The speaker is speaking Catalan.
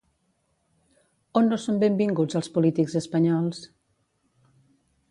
On no són benvinguts els polítics espanyols?